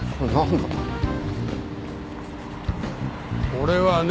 俺はね